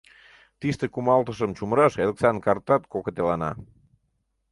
Тиште кумалтышым чумыраш Элыксан картат кокытелана.